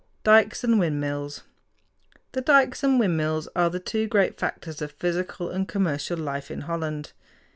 DIKES AND WINDMILLS The dikes and the windmills are the two great factors of physical and commercial life in Holland.